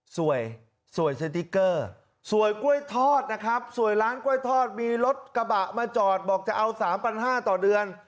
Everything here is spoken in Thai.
สวยสวยสติ๊กเกอร์สวยกล้วยทอดนะครับสวยร้านกล้วยทอดมีรถกระบะมาจอดบอกจะเอา๓๕๐๐ต่อเดือน